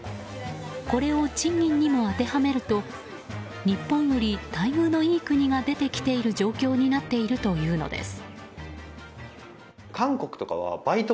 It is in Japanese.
これを賃金にも当てはめると日本より待遇のいい国が出てきている状況になっているというのです。